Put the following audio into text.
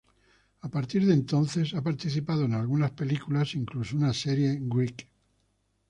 A partir de entonces, ha participado en algunas películas e incluso una serie, Greek.